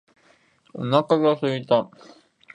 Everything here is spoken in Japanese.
お腹が空いた